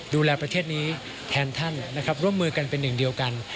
ดูแลประเทศนี้แทนท่านนะครับร่วมมือกันเป็นหนึ่งเดียวกัน